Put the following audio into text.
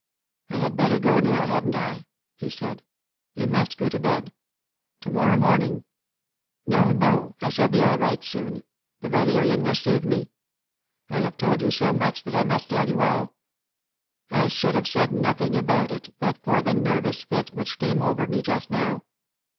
"I had better go now, hadn't I?" he said. "You must go to bed. To morrow morning " "No no. I shall be all right soon; the valerian will soothe me. I have told you so much that I must tell you all. I should have said nothing about it but for the nervous fit which came over me just now.